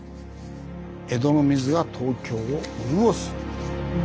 「江戸の水が東京を潤す？」。